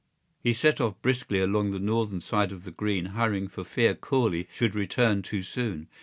He set off briskly along the northern side of the Green hurrying for fear Corley should return too soon.